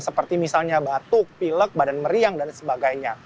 seperti misalnya batuk pilek badan meriang dan sebagainya